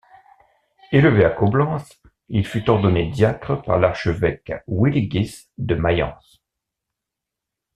Élevé à Coblence, il fut ordonné diacre par l'archevêque Willigis de Mayence.